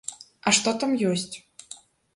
А што там ёсць?